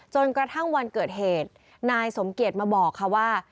จนกระทั่งวันเกิดเหตุนายสมเกียจมาบอกค่ะว่า